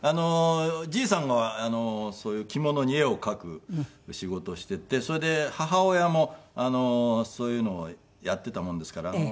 じいさんがそういう着物に絵を描く仕事をしていてそれで母親もそういうのをやっていたものですから。